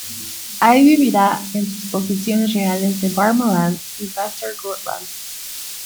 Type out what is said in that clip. Ahí viviría en sus posesiones reales en Värmland y Västergötland.